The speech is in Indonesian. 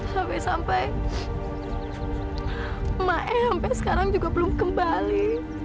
sampai sampai mbah saya sampai sekarang juga belum kembali